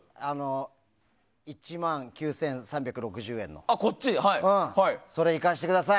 １万９３６０円のをいかせてください。